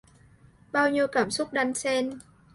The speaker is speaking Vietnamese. Bao nhiêu cảm xúc đan xen